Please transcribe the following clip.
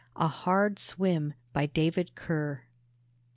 A HARD SWIM. BY DAVID KER.